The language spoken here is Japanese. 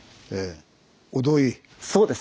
そうです！